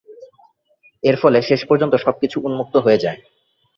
এর ফলে শেষ পর্যন্ত সব কিছু উন্মুক্ত হয়ে যায়।